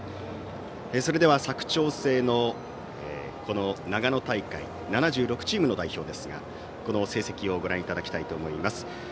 それでは佐久長聖の長野大会７６チームの代表ですが成績をご覧いただきたいと思います。